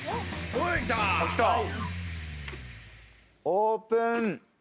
オープン！